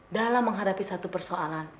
dalam menghadapi satu persoalan